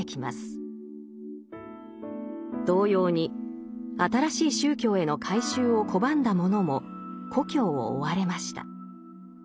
同様に新しい宗教への改宗を拒んだ者も故郷を追われました。